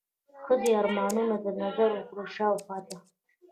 ښخ دي ارمانونه، نظر وکړه شاوخواته